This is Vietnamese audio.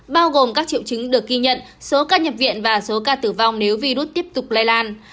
bao gồm các triệu chứng được ghi nhận số ca nhập viện và số ca tử vong nếu virus tiếp tục lây lan